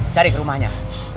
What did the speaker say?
cari ke rumahnya